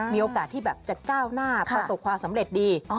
มีโอกาสที่แบบจะก้าวหน้าประสบความสำเร็จดี